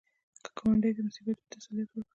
که ګاونډي ته مصیبت وي، تسلیت ورکړه